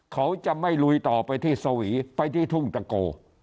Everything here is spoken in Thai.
เขาจะไม่ลุยต่อไปที่สวีไปที่ทุ่งตะโก